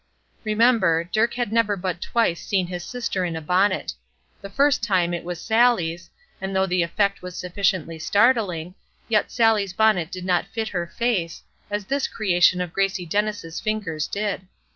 Remember, Dirk had never but twice seen his sister in a bonnet. The first time it was Sallie's, and though the effect was sufficiently startling, yet Sallie's bonnet did not fit her face, as this creation of Gracie Dennis' fingers did.